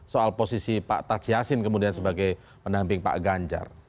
soal posisi pak taj yassin kemudian sebagai pendamping pak ganjar